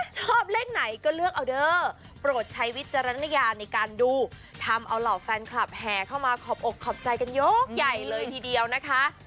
ชอบเลขไหนก็เลือกเอาเด้อโปรดใช้วิจารณญาณในการดูทำเอาเหล่าแฟนคลับแห่เข้ามาขอบอกขอบใจกันยกใหญ่เลยทีเดียวนะคะ